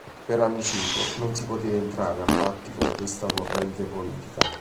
Per Aniceto non si poteva entrare a patti con questa corrente politica.